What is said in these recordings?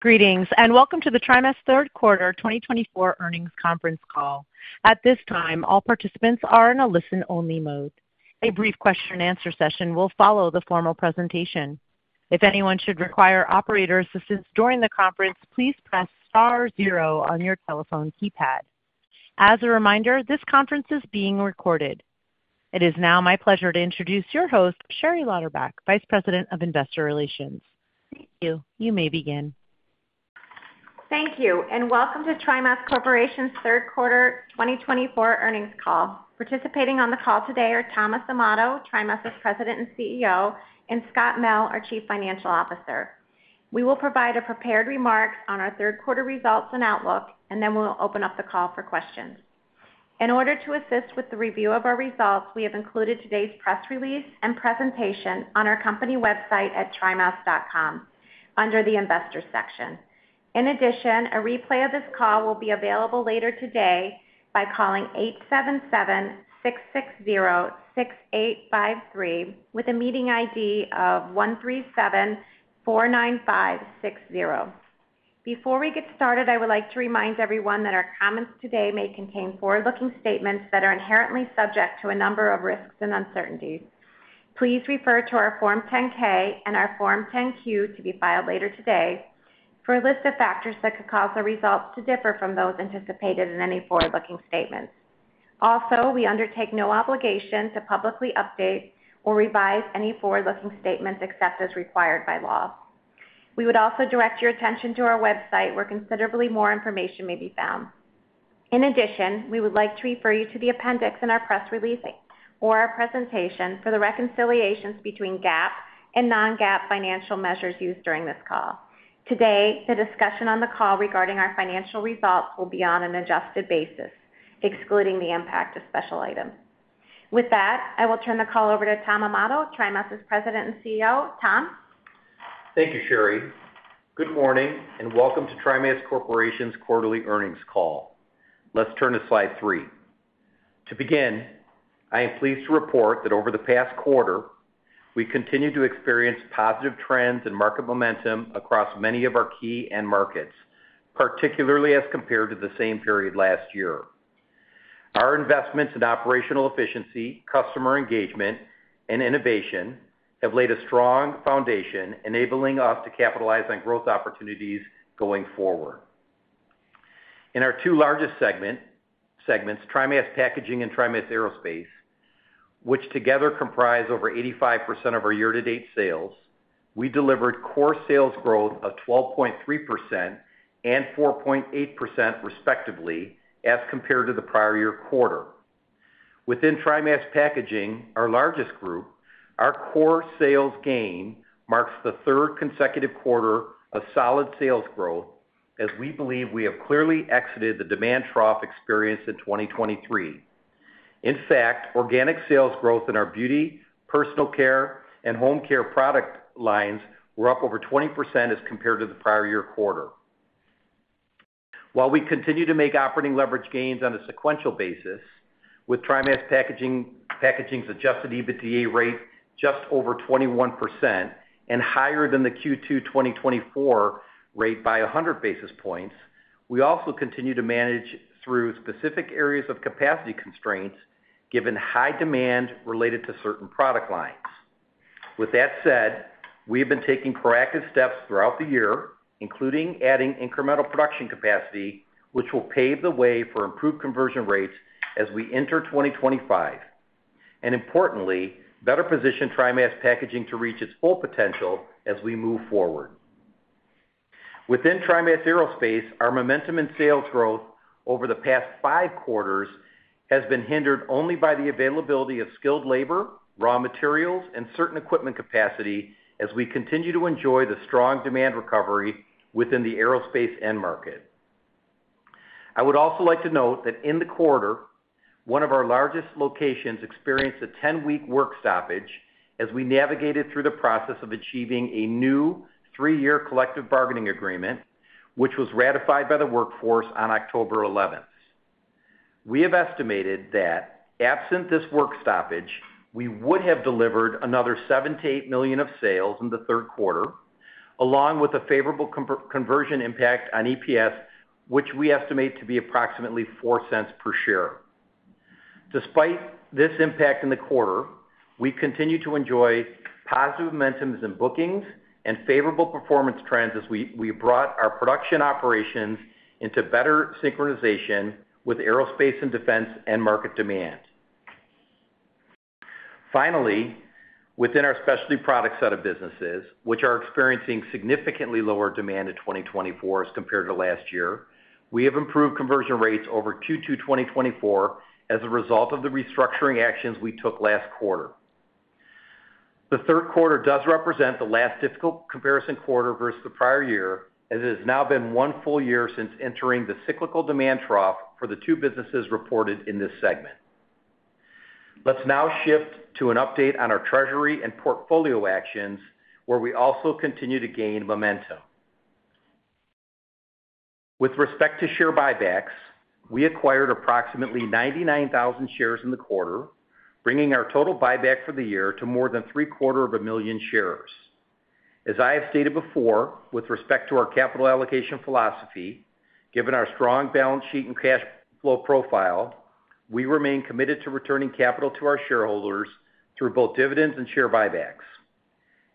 Greetings, and welcome to the TriMas Q3 2024 earnings conference call. At this time, all participants are in a listen-only mode. A brief question-and-answer session will follow the formal presentation. If anyone should require operator assistance during the conference, please press star zero on your telephone keypad. As a reminder, this conference is being recorded. It is now my pleasure to introduce your host, Sherry Lauderback, Vice President of Investor Relations. Thank you. You may begin. Thank you, and welcome to TriMas Corporation's Q3 2024 earnings call. Participating on the call today are Thomas Amato, TriMas's President and CEO, and Scott Mell, our Chief Financial Officer. We will provide a prepared remark on our Q3 results and outlook, and then we'll open up the call for questions. In order to assist with the review of our results, we have included today's press release and presentation on our company website at trimas.com under the Investor section. In addition, a replay of this call will be available later today by calling 877-660-6853 with a meeting ID of 137-495-60. Before we get started, I would like to remind everyone that our comments today may contain forward-looking statements that are inherently subject to a number of risks and uncertainties. Please refer to our Form 10-K and our Form 10-Q to be filed later today for a list of factors that could cause the results to differ from those anticipated in any forward-looking statements. Also, we undertake no obligation to publicly update or revise any forward-looking statements except as required by law. We would also direct your attention to our website, where considerably more information may be found. In addition, we would like to refer you to the appendix in our press release or our presentation for the reconciliations between GAAP and non-GAAP financial measures used during this call. Today, the discussion on the call regarding our financial results will be on an adjusted basis, excluding the impact of special items. With that, I will turn the call over to Tom Amato, TriMas's President and CEO. Tom? Thank you, Sherry. Good morning, and welcome to TriMas Corporation's Quarterly Earnings Call. Let's turn to slide three. To begin, I am pleased to report that over the past quarter, we continue to experience positive trends and market momentum across many of our key end markets, particularly as compared to the same period last year. Our investments in operational efficiency, customer engagement, and innovation have laid a strong foundation, enabling us to capitalize on growth opportunities going forward. In our two largest segments, TriMas Packaging and TriMas Aerospace, which together comprise over 85% of our year-to-date sales, we delivered core sales growth of 12.3% and 4.8%, respectively, as compared to the prior year quarter. Within TriMas Packaging, our largest group, our core sales gain marks the third consecutive quarter of solid sales growth, as we believe we have clearly exited the demand trough experienced in 2023. In fact, organic sales growth in our beauty, personal care, and home care product lines were up over 20% as compared to the prior year quarter. While we continue to make operating leverage gains on a sequential basis, with TriMas Packaging's adjusted EBITDA rate just over 21% and higher than the Q2 2024 rate by 100 basis points, we also continue to manage through specific areas of capacity constraints, given high demand related to certain product lines. With that said, we have been taking proactive steps throughout the year, including adding incremental production capacity, which will pave the way for improved conversion rates as we enter 2025, and importantly, better position TriMas Packaging to reach its full potential as we move forward. Within TriMas Aerospace, our momentum in sales growth over the past five quarters has been hindered only by the availability of skilled labor, raw materials, and certain equipment capacity, as we continue to enjoy the strong demand recovery within the aerospace end market. I would also like to note that in the quarter, one of our largest locations experienced a 10-week work stoppage as we navigated through the process of achieving a new three-year collective bargaining agreement, which was ratified by the workforce on October 11th. We have estimated that, absent this work stoppage, we would have delivered another $7 million-$8 million of sales in the third quarter, along with a favorable conversion impact on EPS, which we estimate to be approximately $0.04 per share. Despite this impact in the quarter, we continue to enjoy positive momentums in bookings and favorable performance trends as we brought our production operations into better synchronization with aerospace and defense end market demand. Finally, within our Specialty Products set of businesses, which are experiencing significantly lower demand in 2024 as compared to last year, we have improved conversion rates over Q2 2024 as a result of the restructuring actions we took last quarter. The third quarter does represent the last difficult comparison quarter versus the prior year, as it has now been one full year since entering the cyclical demand trough for the two businesses reported in this segment. Let's now shift to an update on our treasury and portfolio actions, where we also continue to gain momentum. With respect to share buybacks, we acquired approximately 99,000 shares in the quarter, bringing our total buyback for the year to more than 750,000 shares. As I have stated before, with respect to our capital allocation philosophy, given our strong balance sheet and cash flow profile, we remain committed to returning capital to our shareholders through both dividends and share buybacks.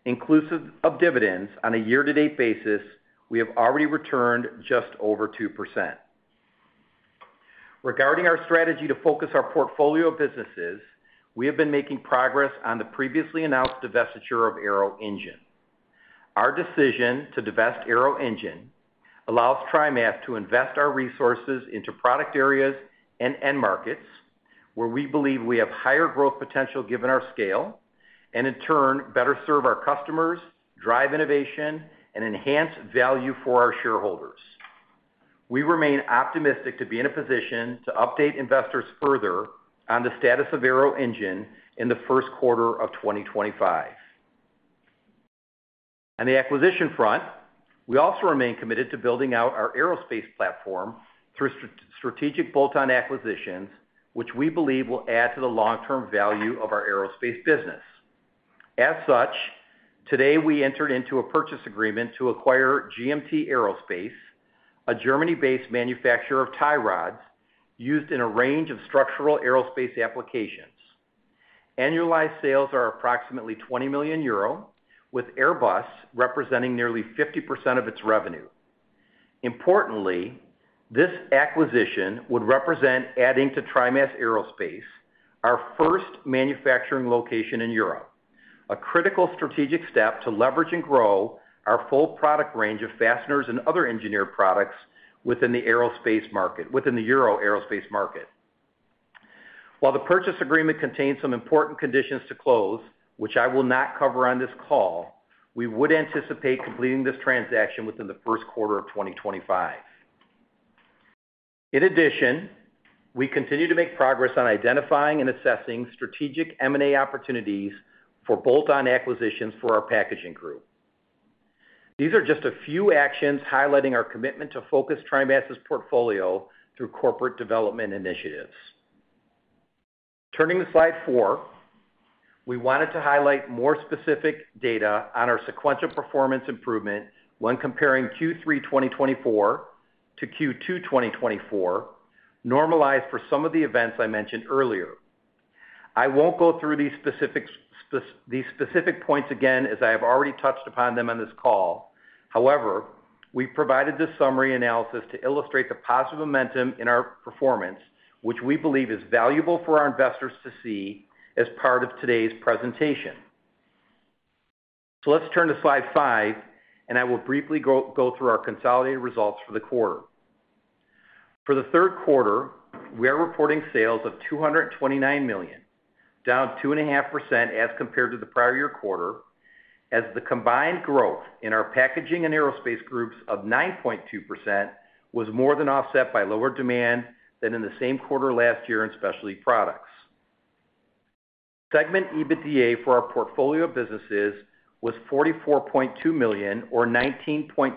Inclusive of dividends, on a year-to-date basis, we have already returned just over 2%. Regarding our strategy to focus our portfolio of businesses, we have been making progress on the previously announced divestiture of Arrow Engine. Our decision to divest Arrow Engine allows TriMas to invest our resources into product areas and end markets, where we believe we have higher growth potential given our scale, and in turn, better serve our customers, drive innovation, and enhance value for our shareholders. We remain optimistic to be in a position to update investors further on the status of Arrow Engine in the first quarter of 2025. On the acquisition front, we also remain committed to building out our aerospace platform through strategic bolt-on acquisitions, which we believe will add to the long-term value of our aerospace business. As such, today we entered into a purchase agreement to acquire GMT Aerospace, a Germany-based manufacturer of tie rods used in a range of structural aerospace applications. Annualized sales are approximately 20 million euro, with Airbus representing nearly 50% of its revenue. Importantly, this acquisition would represent adding to TriMas Aerospace, our first manufacturing location in Europe, a critical strategic step to leverage and grow our full product range of fasteners and other engineered products within the aerospace market, within the European aerospace market. While the purchase agreement contains some important conditions to close, which I will not cover on this call, we would anticipate completing this transaction within the first quarter of 2025. In addition, we continue to make progress on identifying and assessing strategic M&A opportunities for bolt-on acquisitions for our packaging group. These are just a few actions highlighting our commitment to focus TriMas's portfolio through corporate development initiatives. Turning to slide four, we wanted to highlight more specific data on our sequential performance improvement when comparing Q3 2024 to Q2 2024, normalized for some of the events I mentioned earlier. I won't go through these specific points again, as I have already touched upon them on this call. However, we've provided this summary analysis to illustrate the positive momentum in our performance, which we believe is valuable for our investors to see as part of today's presentation. So let's turn to slide five, and I will briefly go through our consolidated results for the quarter. For the third quarter, we are reporting sales of $229 million, down 2.5% as compared to the prior year quarter, as the combined growth in our packaging and aerospace groups of 9.2% was more than offset by lower demand than in the same quarter last year in Specialty Products. Segment EBITDA for our portfolio of businesses was $44.2 million, or 19.2%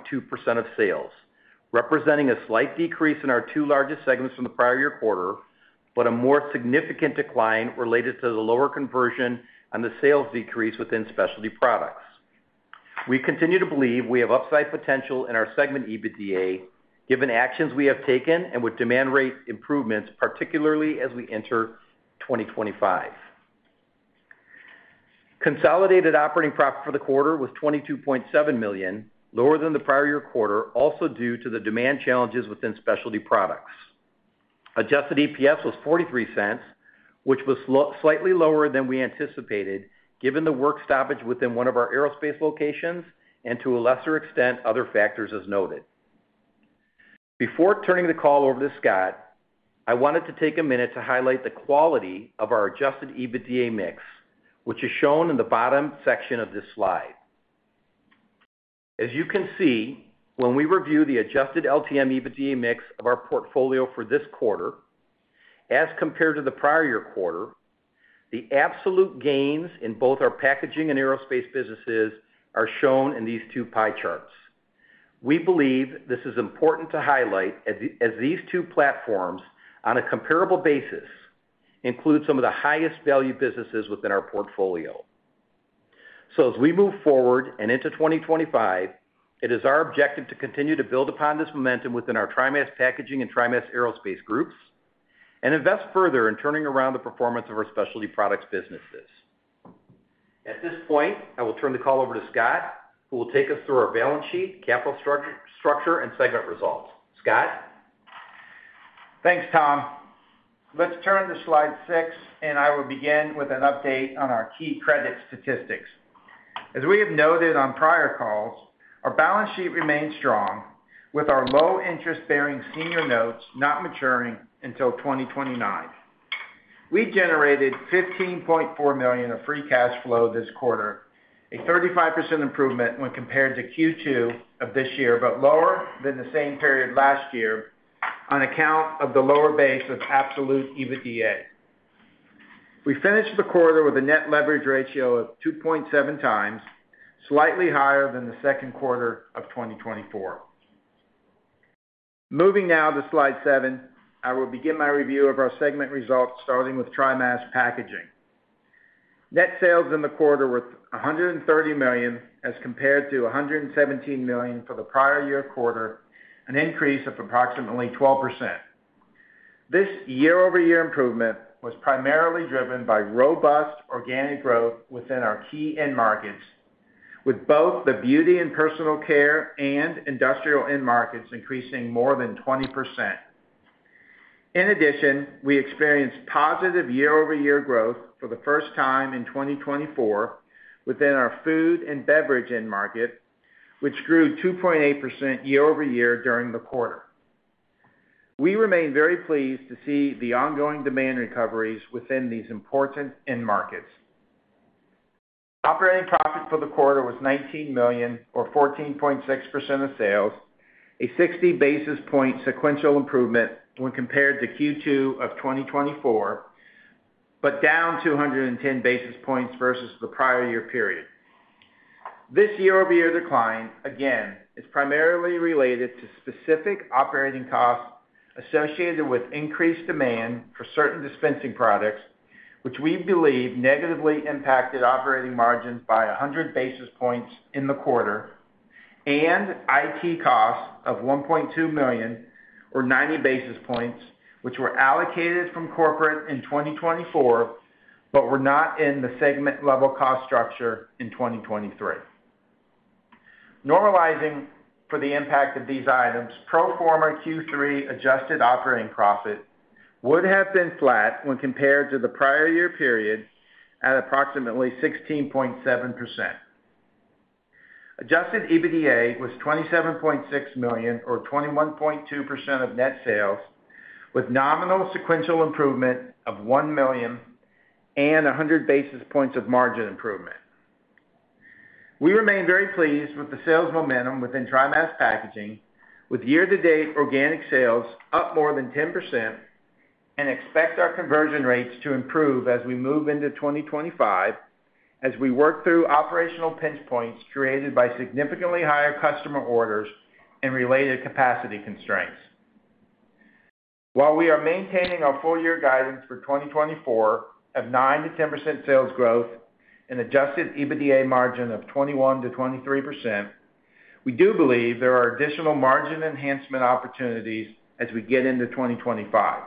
of sales, representing a slight decrease in our two largest segments from the prior year quarter, but a more significant decline related to the lower conversion and the sales decrease within Specialty Products. We continue to believe we have upside potential in our segment EBITDA, given actions we have taken and with demand rate improvements, particularly as we enter 2025. Consolidated operating profit for the quarter was $22.7 million, lower than the prior year quarter, also due to the demand challenges within Specialty Products. Adjusted EPS was $0.43, which was slightly lower than we anticipated, given the work stoppage within one of our aerospace locations and, to a lesser extent, other factors as noted. Before turning the call over to Scott, I wanted to take a minute to highlight the quality of our adjusted EBITDA mix, which is shown in the bottom section of this slide. As you can see, when we review the adjusted LTM EBITDA mix of our portfolio for this quarter, as compared to the prior year quarter, the absolute gains in both our packaging and aerospace businesses are shown in these two pie charts. We believe this is important to highlight, as these two platforms, on a comparable basis, include some of the highest value businesses within our portfolio. So as we move forward and into 2025, it is our objective to continue to build upon this momentum within our TriMas Packaging and TriMas Aerospace groups and invest further in turning around the performance of our Specialty Products businesses. At this point, I will turn the call over to Scott, who will take us through our balance sheet, capital structure, and segment results. Scott? Thanks, Tom. Let's turn to slide six, and I will begin with an update on our key credit statistics. As we have noted on prior calls, our balance sheet remains strong, with our low-interest-bearing senior notes not maturing until 2029. We generated $15.4 million of free cash flow this quarter, a 35% improvement when compared to Q2 of this year, but lower than the same period last year on account of the lower base of absolute EBITDA. We finished the quarter with a net leverage ratio of 2.7x, slightly higher than the second quarter of 2024. Moving now to slide seven, I will begin my review of our segment results, starting with TriMas Packaging. Net sales in the quarter were $130 million as compared to $117 million for the prior year quarter, an increase of approximately 12%. This year-over-year improvement was primarily driven by robust organic growth within our key end markets, with both the beauty and personal care and industrial end markets increasing more than 20%. In addition, we experienced positive year-over-year growth for the first time in 2024 within our food and beverage end market, which grew 2.8% year-over-year during the quarter. We remain very pleased to see the ongoing demand recoveries within these important end markets. Operating profit for the quarter was $19 million, or 14.6% of sales, a 60 basis points sequential improvement when compared to Q2 of 2024, but down 210 basis points versus the prior year period. This year-over-year decline, again, is primarily related to specific operating costs associated with increased demand for certain dispensing products, which we believe negatively impacted operating margins by 100 basis points in the quarter, and IT costs of $1.2 million, or 90 basis points, which were allocated from corporate in 2024 but were not in the segment-level cost structure in 2023. Normalizing for the impact of these items, pro forma Q3 adjusted operating profit would have been flat when compared to the prior year period at approximately 16.7%. Adjusted EBITDA was $27.6 million, or 21.2% of net sales, with nominal sequential improvement of $1 million and 100 basis points of margin improvement. We remain very pleased with the sales momentum within TriMas Packaging, with year-to-date organic sales up more than 10%, and expect our conversion rates to improve as we move into 2025, as we work through operational pinch points created by significantly higher customer orders and related capacity constraints. While we are maintaining our full-year guidance for 2024 of 9%-10% sales growth and Adjusted EBITDA margin of 21%-23%, we do believe there are additional margin enhancement opportunities as we get into 2025.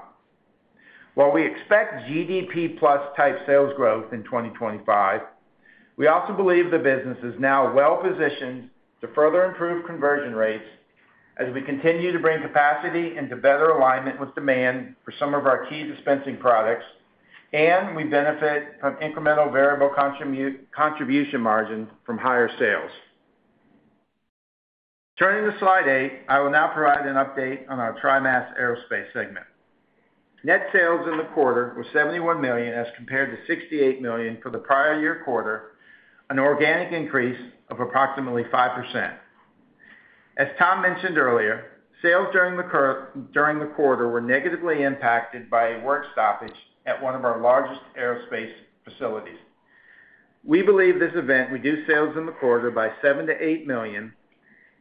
While we expect GDP-plus type sales growth in 2025, we also believe the business is now well-positioned to further improve conversion rates as we continue to bring capacity into better alignment with demand for some of our key dispensing products, and we benefit from incremental variable contribution margins from higher sales. Turning to slide eight, I will now provide an update on our TriMas Aerospace segment. Net sales in the quarter were $71 million as compared to $68 million for the prior year quarter, an organic increase of approximately 5%. As Tom mentioned earlier, sales during the quarter were negatively impacted by a work stoppage at one of our largest aerospace facilities. We believe this event reduced sales in the quarter by $7 million-$8 million,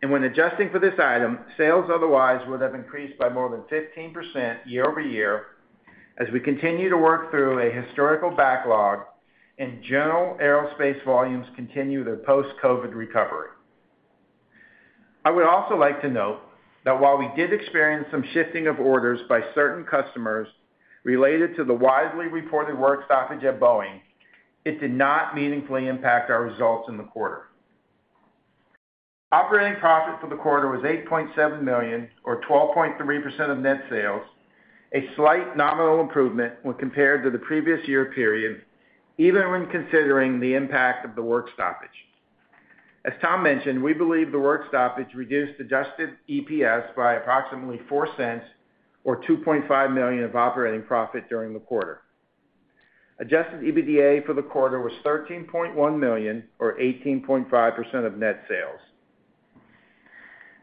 and when adjusting for this item, sales otherwise would have increased by more than 15% year-over-year as we continue to work through a historical backlog and general aerospace volumes continue their post-COVID recovery. I would also like to note that while we did experience some shifting of orders by certain customers related to the widely reported work stoppage at Boeing, it did not meaningfully impact our results in the quarter. Operating profit for the quarter was $8.7 million, or 12.3% of net sales, a slight nominal improvement when compared to the previous year period, even when considering the impact of the work stoppage. As Tom mentioned, we believe the work stoppage reduced adjusted EPS by approximately $0.04, or $2.5 million of operating profit during the quarter. Adjusted EBITDA for the quarter was $13.1 million, or 18.5% of net sales.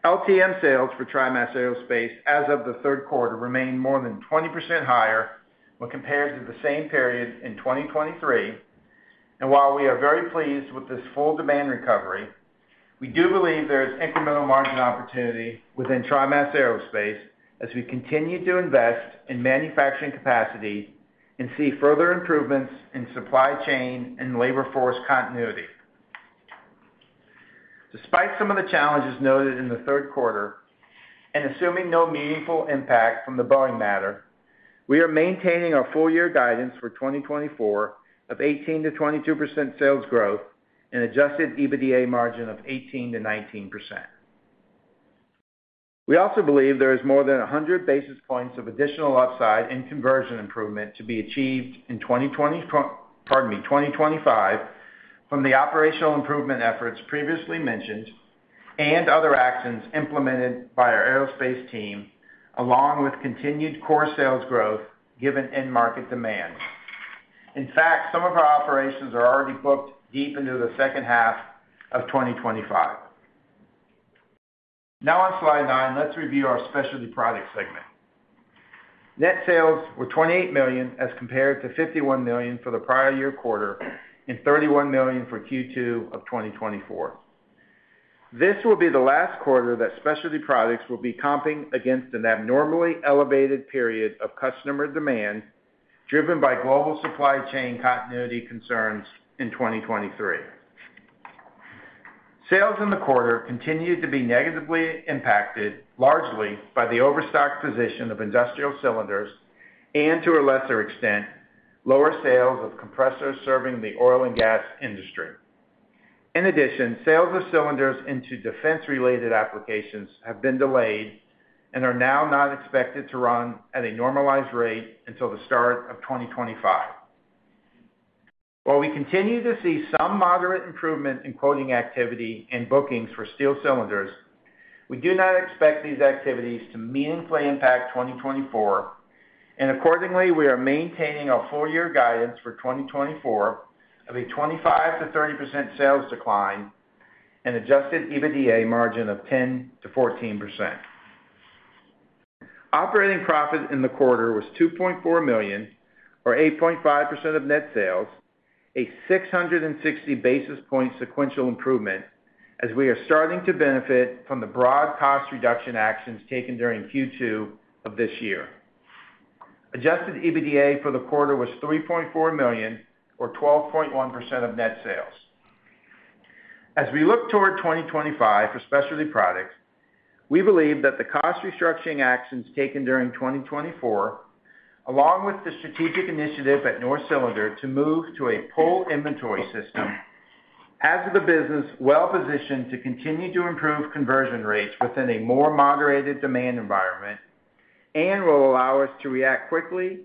LTM sales for TriMas Aerospace as of the third quarter remain more than 20% higher when compared to the same period in 2023, and while we are very pleased with this full demand recovery, we do believe there is incremental margin opportunity within TriMas Aerospace as we continue to invest in manufacturing capacity and see further improvements in supply chain and labor force continuity. Despite some of the challenges noted in the third quarter and assuming no meaningful impact from the Boeing matter, we are maintaining our full-year guidance for 2024 of 18%-22% sales growth and Adjusted EBITDA margin of 18%-19%. We also believe there is more than 100 basis points of additional upside and conversion improvement to be achieved in 2025 from the operational improvement efforts previously mentioned and other actions implemented by our aerospace team, along with continued core sales growth given end market demand. In fact, some of our operations are already booked deep into the second half of 2025. Now on slide nine, let's review our Specialty Products segment. Net sales were $28 million as compared to $51 million for the prior year quarter and $31 million for Q2 of 2024. This will be the last quarter that Specialty Products will be comping against an abnormally elevated period of customer demand driven by global supply chain continuity concerns in 2023. Sales in the quarter continued to be negatively impacted largely by the overstock position of industrial cylinders and, to a lesser extent, lower sales of compressors serving the oil and gas industry. In addition, sales of cylinders into defense-related applications have been delayed and are now not expected to run at a normalized rate until the start of 2025. While we continue to see some moderate improvement in quoting activity and bookings for steel cylinders, we do not expect these activities to meaningfully impact 2024, and accordingly, we are maintaining our full-year guidance for 2024 of a 25%-30% sales decline and Adjusted EBITDA margin of 10%-14%. Operating profit in the quarter was $2.4 million, or 8.5% of net sales, a 660 basis points sequential improvement as we are starting to benefit from the broad cost reduction actions taken during Q2 of this year. Adjusted EBITDA for the quarter was $3.4 million, or 12.1% of net sales. As we look toward 2025 for Specialty Products, we believe that the cost restructuring actions taken during 2024, along with the strategic initiative at Norris Cylinder to move to a pull inventory system, has the business well-positioned to continue to improve conversion rates within a more moderated demand environment and will allow us to react quickly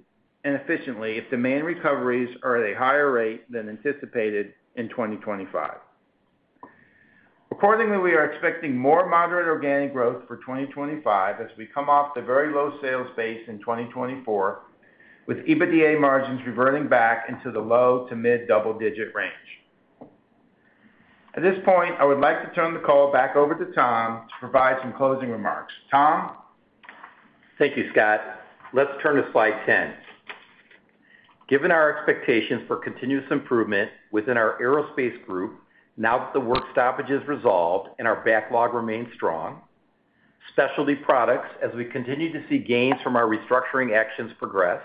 and efficiently if demand recoveries are at a higher rate than anticipated in 2025. Accordingly, we are expecting more moderate organic growth for 2025 as we come off the very low sales base in 2024, with EBITDA margins reverting back into the low to mid double-digit range. At this point, I would like to turn the call back over to Tom to provide some closing remarks. Tom? Thank you, Scott. Let's turn to slide 10. Given our expectations for continuous improvement within our aerospace group now that the work stoppage has resolved and our backlog remains strong, Specialty Products, as we continue to see gains from our restructuring actions progress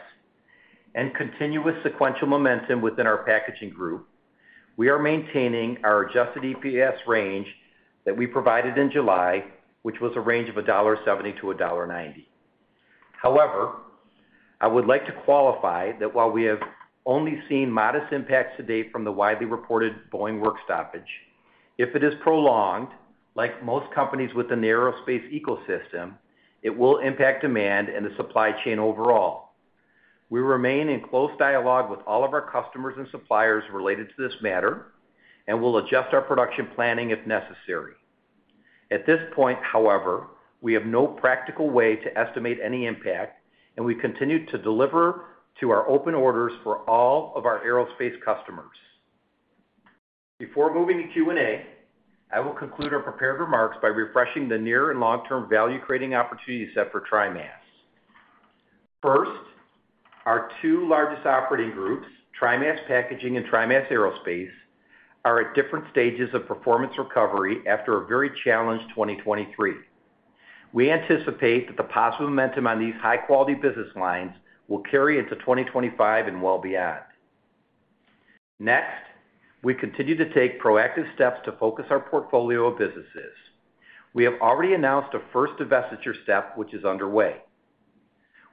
and continuous sequential momentum within our packaging group, we are maintaining our adjusted EPS range that we provided in July, which was a range of $1.70-$1.90. However, I would like to qualify that while we have only seen modest impacts to date from the widely reported Boeing work stoppage, if it is prolonged, like most companies within the aerospace ecosystem, it will impact demand and the supply chain overall. We remain in close dialogue with all of our customers and suppliers related to this matter and will adjust our production planning if necessary. At this point, however, we have no practical way to estimate any impact, and we continue to deliver to our open orders for all of our aerospace customers. Before moving to Q&A, I will conclude our prepared remarks by refreshing the near and long-term value-creating opportunities set for TriMas. First, our two largest operating groups, TriMas Packaging and TriMas Aerospace, are at different stages of performance recovery after a very challenged 2023. We anticipate that the positive momentum on these high-quality business lines will carry into 2025 and well beyond. Next, we continue to take proactive steps to focus our portfolio of businesses. We have already announced a first divestiture step, which is underway.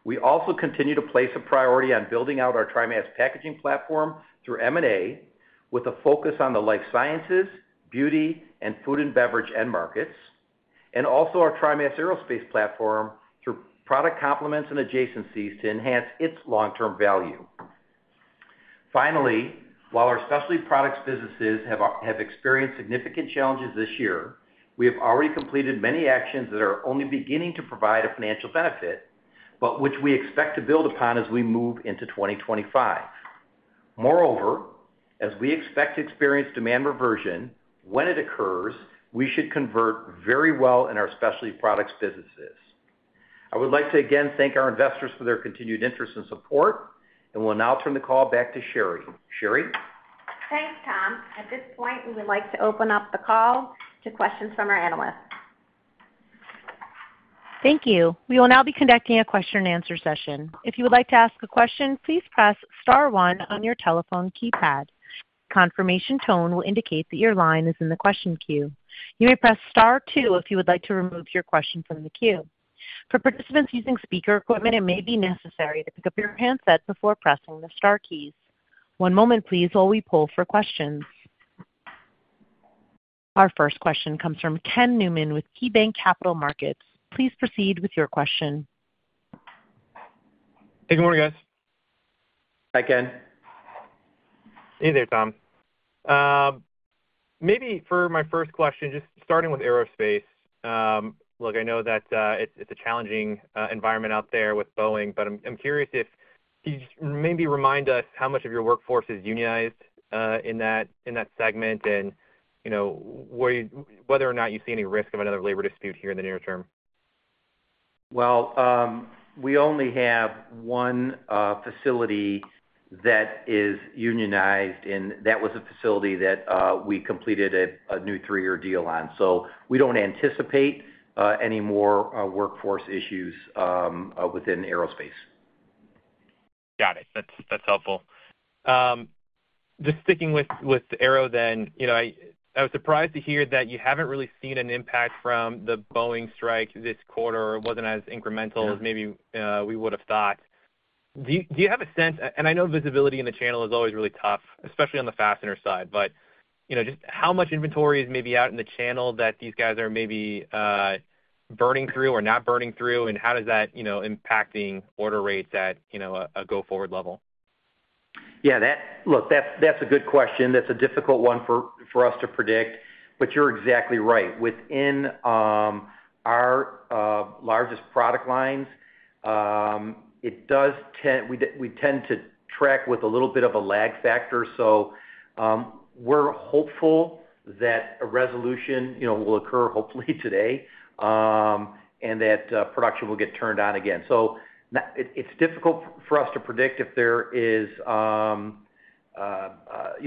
We also continue to place a priority on building out our TriMas Packaging platform through M&A with a focus on the life sciences, beauty, and food and beverage end markets, and also our TriMas Aerospace platform through product complements and adjacencies to enhance its long-term value. Finally, while our Specialty Products businesses have experienced significant challenges this year, we have already completed many actions that are only beginning to provide a financial benefit, but which we expect to build upon as we move into 2025. Moreover, as we expect to experience demand reversion, when it occurs, we should convert very well in our Specialty Products businesses. I would like to again thank our investors for their continued interest and support, and we'll now turn the call back to Sherry. Sherry? Thanks, Tom. At this point, we would like to open up the call to questions from our analysts. Thank you. We will now be conducting a question-and-answer session. If you would like to ask a question, please press star one on your telephone keypad. Confirmation tone will indicate that your line is in the question queue. You may press star two if you would like to remove your question from the queue. For participants using speaker equipment, it may be necessary to pick up your handset before pressing the star keys. One moment, please, while we pull for questions. Our first question comes from Ken Newman with KeyBanc Capital Markets. Please proceed with your question. Hey, good morning, guys. Hi, Ken. Hey there, Tom. Maybe for my first question, just starting with aerospace, look, I know that it's a challenging environment out there with Boeing, but I'm curious if you could just maybe remind us how much of your workforce is unionized in that segment and whether or not you see any risk of another labor dispute here in the near term? We only have one facility that is unionized, and that was a facility that we completed a new three-year deal on. So we don't anticipate any more workforce issues within aerospace. Got it. That's helpful. Just sticking with the Aero then, I was surprised to hear that you haven't really seen an impact from the Boeing strike this quarter. It wasn't as incremental as maybe we would have thought. Do you have a sense - and I know visibility in the channel is always really tough, especially on the fastener side - but just how much inventory is maybe out in the channel that these guys are maybe burning through or not burning through, and how is that impacting order rates at a go-forward level? Yeah. Look, that's a good question. That's a difficult one for us to predict, but you're exactly right. Within our largest product lines, we tend to track with a little bit of a lag factor. So we're hopeful that a resolution will occur, hopefully today, and that production will get turned on again. So it's difficult for us to predict if there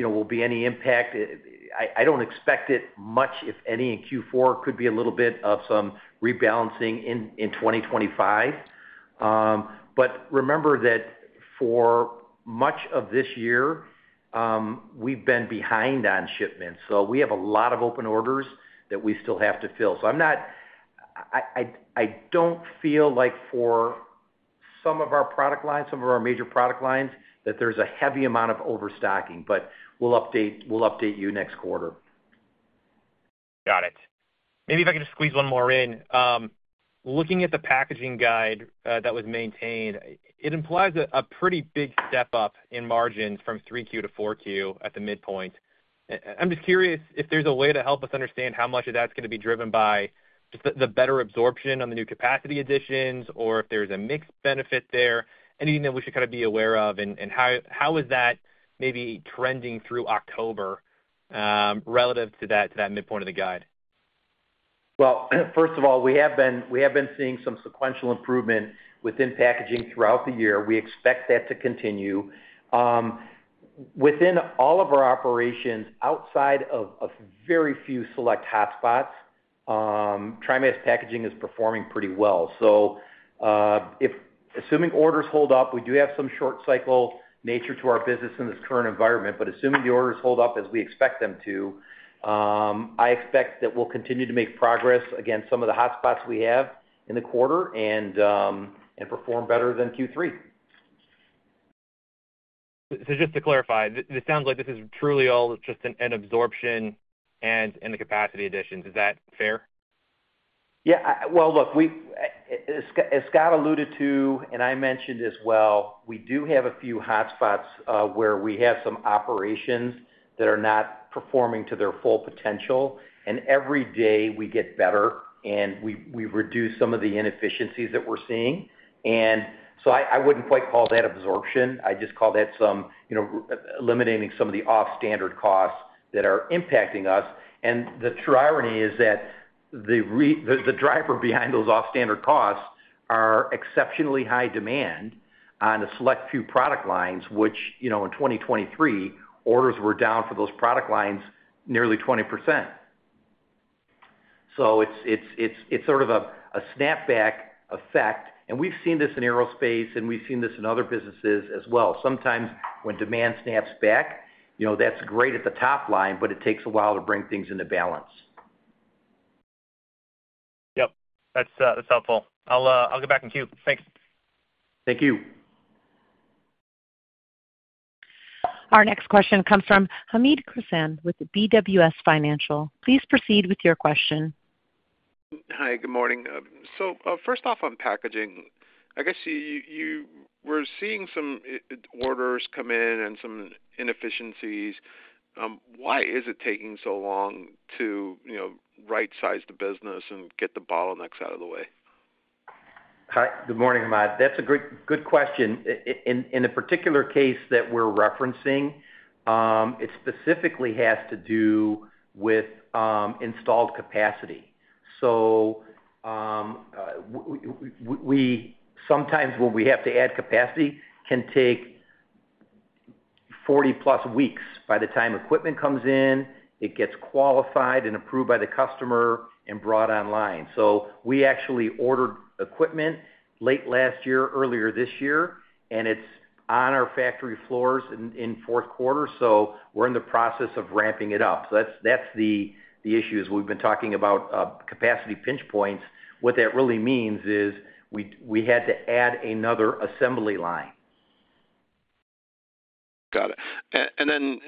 will be any impact. I don't expect it much, if any, in Q4. It could be a little bit of some rebalancing in 2025. But remember that for much of this year, we've been behind on shipments. So we have a lot of open orders that we still have to fill. So I don't feel like for some of our product lines, some of our major product lines, that there's a heavy amount of overstocking, but we'll update you next quarter. Got it. Maybe if I could just squeeze one more in. Looking at the packaging guide that was maintained, it implies a pretty big step up in margins from 3Q to 4Q at the midpoint. I'm just curious if there's a way to help us understand how much of that's going to be driven by just the better absorption on the new capacity additions or if there's a mixed benefit there, anything that we should kind of be aware of, and how is that maybe trending through October relative to that midpoint of the guide? First of all, we have been seeing some sequential improvement within packaging throughout the year. We expect that to continue. Within all of our operations, outside of very few select hotspots, TriMas Packaging is performing pretty well. Assuming orders hold up, we do have some short-cycle nature to our business in this current environment, but assuming the orders hold up as we expect them to, I expect that we'll continue to make progress against some of the hotspots we have in the quarter and perform better than Q3. So just to clarify, this sounds like this is truly all just an absorption and the capacity additions. Is that fair? Yeah. Well, look, as Scott alluded to and I mentioned as well, we do have a few hotspots where we have some operations that are not performing to their full potential. And every day we get better, and we've reduced some of the inefficiencies that we're seeing. And so I wouldn't quite call that absorption. I just call that eliminating some of the off-standard costs that are impacting us. And the true irony is that the driver behind those off-standard costs are exceptionally high demand on a select few product lines, which in 2023, orders were down for those product lines nearly 20%. So it's sort of a snapback effect. And we've seen this in aerospace, and we've seen this in other businesses as well. Sometimes when demand snaps back, that's great at the top line, but it takes a while to bring things into balance. Yep. That's helpful. I'll get back in queue. Thanks. Thank you. Our next question comes from Hamed Khorsand with BWS Financial. Please proceed with your question. Hi. Good morning. So first off on packaging, I guess you were seeing some orders come in and some inefficiencies. Why is it taking so long to right-size the business and get the bottlenecks out of the way? Hi. Good morning, Hamed. That's a good question. In the particular case that we're referencing, it specifically has to do with installed capacity. So sometimes when we have to add capacity, it can take 40+ weeks by the time equipment comes in, it gets qualified and approved by the customer and brought online. So we actually ordered equipment late last year, earlier this year, and it's on our factory floors in fourth quarter. So we're in the process of ramping it up. So that's the issues. We've been talking about capacity pinch points. What that really means is we had to add another assembly line. Got it. Then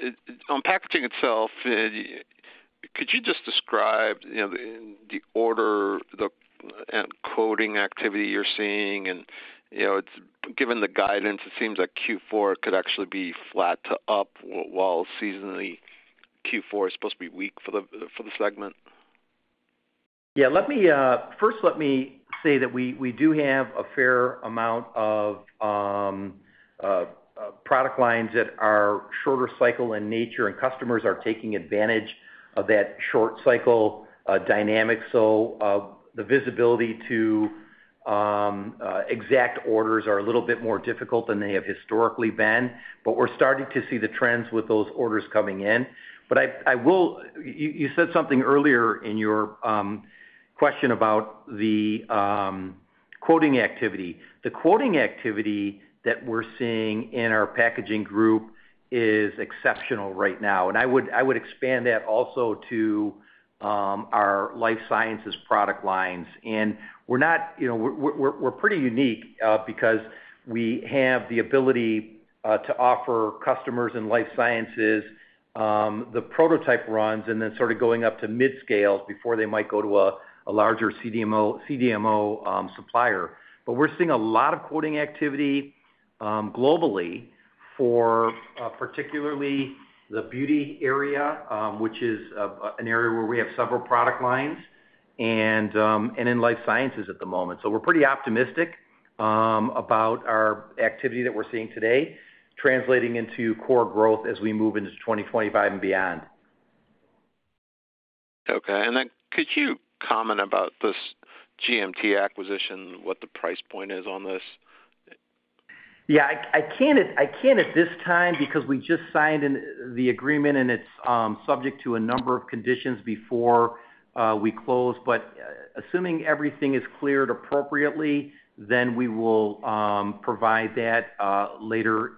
on packaging itself, could you just describe the order and quoting activity you're seeing? Given the guidance, it seems like Q4 could actually be flat to up while seasonally, Q4 is supposed to be weak for the segment. Yeah. First, let me say that we do have a fair amount of product lines that are shorter-cycle in nature, and customers are taking advantage of that short-cycle dynamic. So the visibility to exact orders is a little bit more difficult than they have historically been. But we're starting to see the trends with those orders coming in. But you said something earlier in your question about the quoting activity. The quoting activity that we're seeing in our packaging group is exceptional right now. And I would expand that also to our life sciences product lines. And we're not - we're pretty unique because we have the ability to offer customers in life sciences the prototype runs and then sort of going up to mid-scale before they might go to a larger CDMO supplier. But we're seeing a lot of quoting activity globally for particularly the beauty area, which is an area where we have several product lines and in life sciences at the moment. So we're pretty optimistic about our activity that we're seeing today translating into core growth as we move into 2025 and beyond. Okay. And then could you comment about this GMT acquisition, what the price point is on this? Yeah. I can't at this time because we just signed the agreement, and it's subject to a number of conditions before we close. But assuming everything is cleared appropriately, then we will provide that later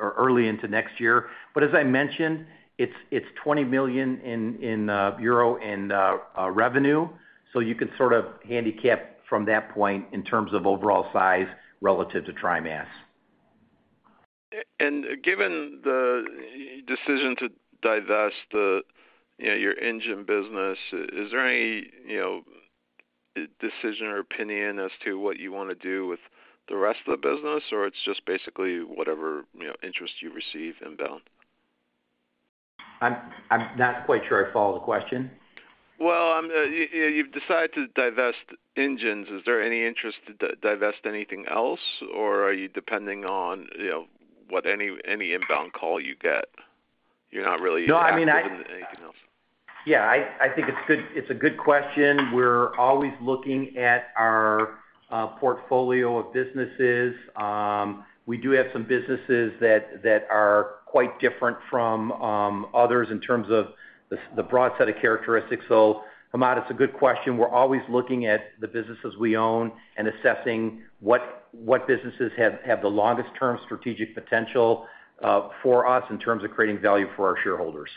or early into next year. But as I mentioned, it's 20 million euro in revenue. So you can sort of handicap from that point in terms of overall size relative to TriMas. Given the decision to divest your engine business, is there any decision or opinion as to what you want to do with the rest of the business, or it's just basically whatever interest you receive inbound? I'm not quite sure I follow the question. You've decided to divest Arrow Engine. Is there any interest to divest anything else, or are you depending on what any inbound call you get? You're not really involved in anything else? No. I mean, yeah, I think it's a good question. We're always looking at our portfolio of businesses. We do have some businesses that are quite different from others in terms of the broad set of characteristics, so, Hamed, it's a good question. We're always looking at the businesses we own and assessing what businesses have the longest-term strategic potential for us in terms of creating value for our shareholders.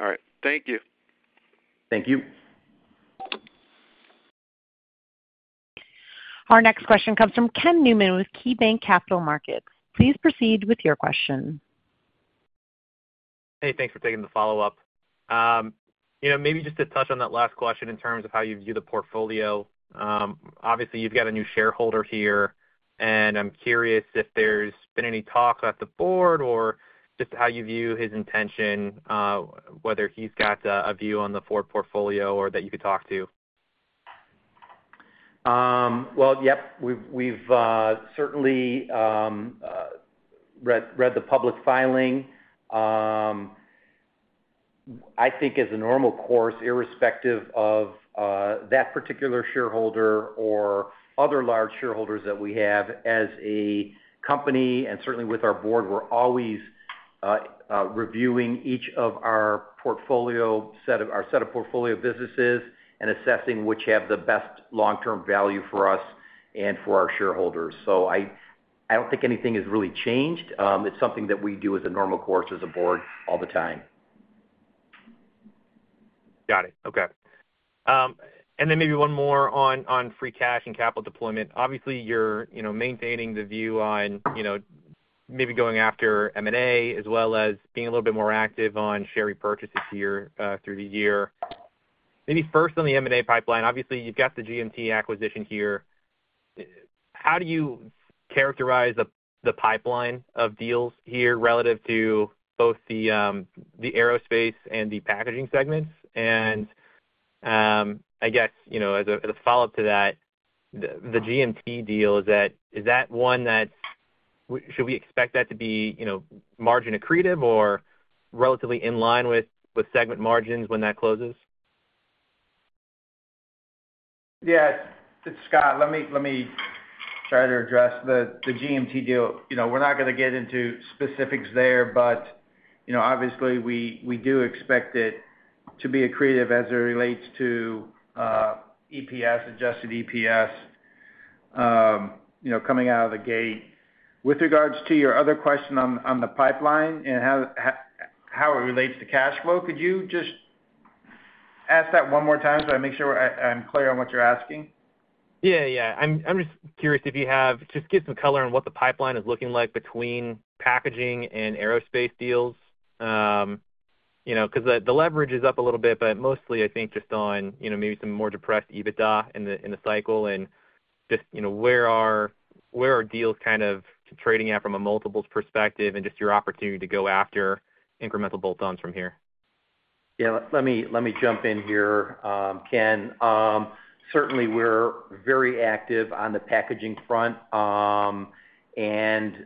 All right. Thank you. Thank you. Our next question comes from Ken Newman with KeyBanc Capital Markets. Please proceed with your question. Hey, thanks for taking the follow-up. Maybe just to touch on that last question in terms of how you view the portfolio. Obviously, you've got a new shareholder here, and I'm curious if there's been any talk at the board or just how you view his intention, whether he's got a view on the core portfolio or that you could talk to? Well, yep. We've certainly read the public filing. I think as a normal course, irrespective of that particular shareholder or other large shareholders that we have, as a company and certainly with our board, we're always reviewing each of our portfolio businesses and assessing which have the best long-term value for us and for our shareholders. So I don't think anything has really changed. It's something that we do as a normal course as a board all the time. Got it. Okay. And then maybe one more on free cash and capital deployment. Obviously, you're maintaining the view on maybe going after M&A as well as being a little bit more active on share repurchases here through the year. Maybe first on the M&A pipeline, obviously, you've got the GMT acquisition here. How do you characterize the pipeline of deals here relative to both the aerospace and the packaging segments? And I guess as a follow-up to that, the GMT deal, is that one that should we expect that to be margin accretive or relatively in line with segment margins when that closes? Yeah. It's Scott. Let me try to address the GMT deal. We're not going to get into specifics there, but obviously, we do expect it to be accretive as it relates to EPS, adjusted EPS coming out of the gate. With regards to your other question on the pipeline and how it relates to cash flow, could you just ask that one more time so I make sure I'm clear on what you're asking? Yeah. Yeah. I'm just curious if you could just give some color on what the pipeline is looking like between packaging and aerospace deals because the leverage is up a little bit, but mostly, I think, just on maybe some more depressed EBITDA in the cycle and just where are deals kind of trading out from a multiples perspective and just your opportunity to go after incremental bolt-ons from here? Yeah. Let me jump in here, Ken. Certainly, we're very active on the packaging front, and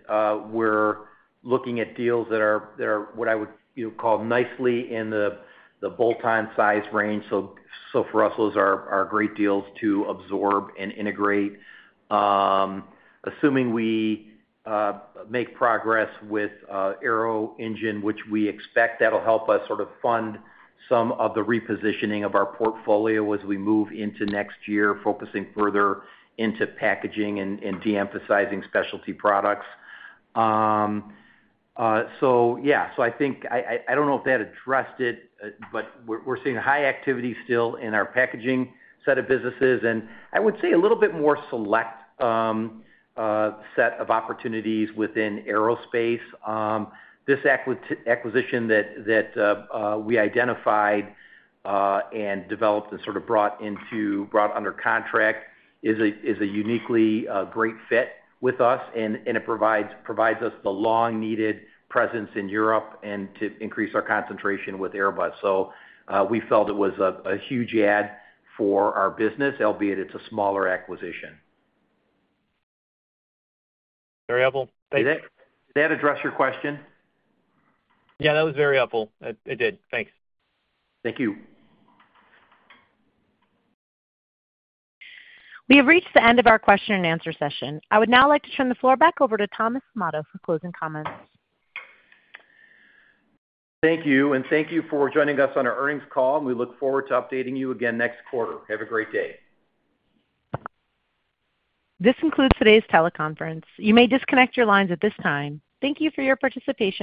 we're looking at deals that are what I would call nicely in the bolt-on size range. So for us, those are great deals to absorb and integrate. Assuming we make progress with Arrow Engine, which we expect, that'll help us sort of fund some of the repositioning of our portfolio as we move into next year, focusing further into packaging and de-emphasizing Specialty Products. So yeah. So I don't know if that addressed it, but we're seeing high activity still in our packaging set of businesses, and I would say a little bit more select set of opportunities within aerospace. This acquisition that we identified and developed and sort of brought under contract is a uniquely great fit with us, and it provides us the long-needed presence in Europe and to increase our concentration with Airbus. So we felt it was a huge add for our business, albeit it's a smaller acquisition. Very helpful. Thanks. Did that address your question? Yeah. That was very helpful. It did. Thanks. Thank you. We have reached the end of our question and answer session. I would now like to turn the floor back over to Thomas Amato for closing comments. Thank you. And thank you for joining us on our earnings call. And we look forward to updating you again next quarter. Have a great day. This concludes today's teleconference. You may disconnect your lines at this time. Thank you for your participation.